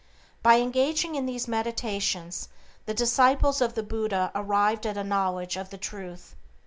By engaging in these meditations the disciples of the Buddha arrived at a knowledge of the Truth.